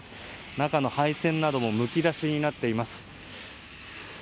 中の配線などもむき出しになっています。